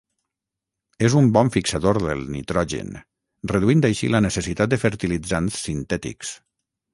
És un bon fixador del nitrogen, reduint així la necessitat de fertilitzants sintètics.